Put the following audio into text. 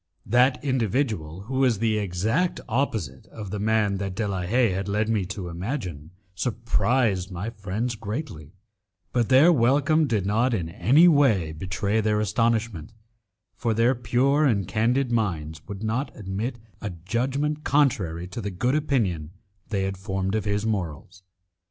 That individual, who was the exact opposite of the man that De la Haye had led me to imagine, surprised my friends greatly, but their welcome did not in any way betray their astonishment, for their pure and candid minds would not admit a judgment contrary to the good opinion they had formed of his morals.